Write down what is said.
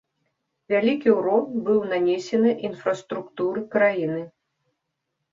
Вялікі ўрон быў нанесены інфраструктуры краіны.